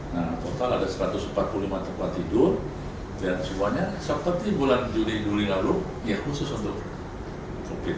nah total ada satu ratus empat puluh lima tempat tidur dan semuanya seperti bulan juli juli lalu yang khusus untuk covid sembilan belas